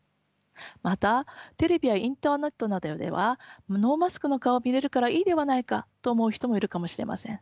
またテレビやインターネットなどではノーマスクの顔を見れるからいいではないかと思う人もいるかもしれません。